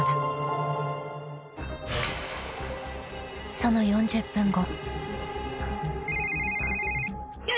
［その４０分後］